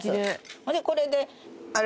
ほんでこれであれ。